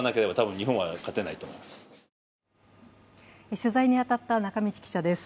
取材に当たった中道記者です。